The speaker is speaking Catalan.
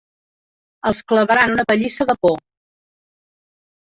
Els clavaran una pallissa de por.